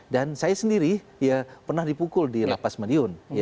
dan saya sendiri ya pernah dipukul di lapas madiun